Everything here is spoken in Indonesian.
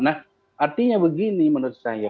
nah artinya begini menurut saya